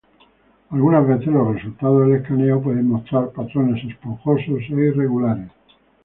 Algunas veces, los resultados del escaneo pueden mostrar patrones esponjosos e irregulares.